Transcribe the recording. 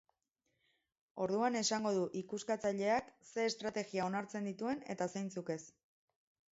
Orduan esango du ikuskatzaileak ze estrategia onartzen dituen eta zeintzuk ez.